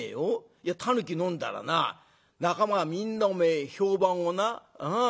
いやタヌキ飲んだらな仲間がみんなおめえ評判をなあ